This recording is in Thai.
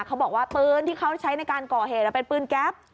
เขาบอกว่าปืนที่เขาใช้ในการก่อเหตุเป็นปืนแก๊ป